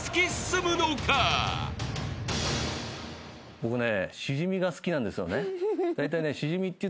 僕ね。